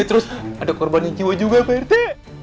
terus ada korban jiwa juga pak rete